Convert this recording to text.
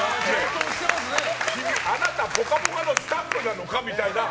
あなた、「ぽかぽか」のスタッフなのかみたいな。